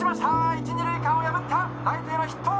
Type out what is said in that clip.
１・２塁間を破った」「ライトへのヒット！」